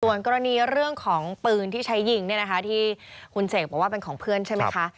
ส่วนกรณีเรื่องของปืนที่ใช้ยิงเนี่ยนะคะที่คุณเสกบอกว่าเป็นของเพื่อนใช่ไหมคะ